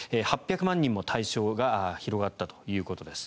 ８００万人も対象が広がったということです。